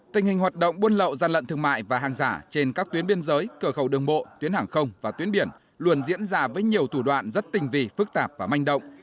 tình hình hoạt động buôn lậu gian lận thương mại và hàng giả trên các tuyến biên giới cờ khẩu đường bộ tuyến hàng không và tuyến biển luôn diễn ra với nhiều thủ đoạn rất tình vị phức tạp và manh động